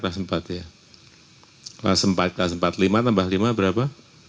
kelas empat citra kelas empat ya kelas empat kelas empat lima tambah lima berapa